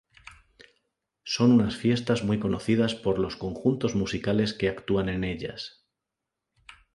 Son unas fiestas muy conocidas por los conjuntos musicales que actúan en ellas.